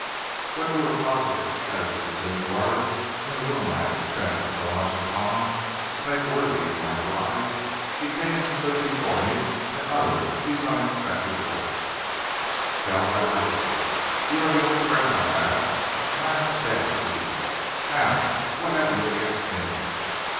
"When we were closeted, as we soon were in the room I had expended so much upon to make worthy of my bride, he came and stood before me and uttered these unexpected words: "'Felt, I like you. You are the only friend I have, and I am indebted to you. Now, what have you against me?'